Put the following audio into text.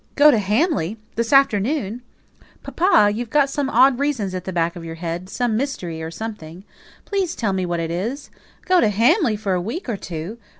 "Go to Hamley! This afternoon! Papa, you've got some odd reason at the back of your head some mystery, or something. Please, tell me what it is. Go to Hamley for a week or two!